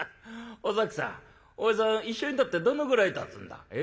お崎さんお前さん一緒になってどのぐらいたつんだ？え？